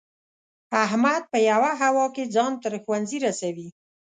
احمد په یوه هوا کې ځان تر ښوونځي رسوي.